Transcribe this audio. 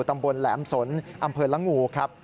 ตำบลแหลมสนอำเภอละงูครับ